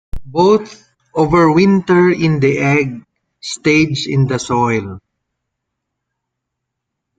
Both overwinter in the egg stage in the soil.